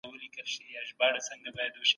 د حق لاره تعقیب کړئ.